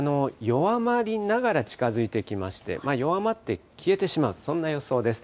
弱まりながら近づいてきまして、弱まって消えてしまう、そんな予想です。